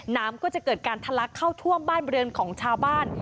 น้ำก็จะเกิดการทะลักเข้าท่วมบ้านเรือนของชาวบ้าน